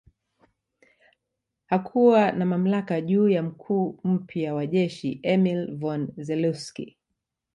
Hakuwa na mamlaka juu ya mkuu mpya wa jeshi Emil Von Zelewski